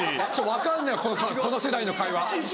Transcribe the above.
分かんないこの世代の会話。